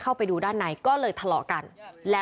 เขาพูดสิเขาก็เอาเรา